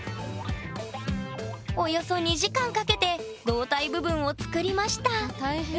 およそ２時間かけて胴体部分を作りました大変。